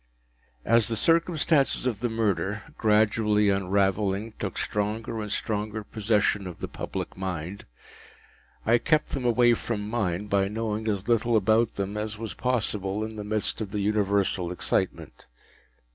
As the circumstances of the murder, gradually unravelling, took stronger and stronger possession of the public mind, I kept them away from mine by knowing as little about them as was possible in the midst of the universal excitement.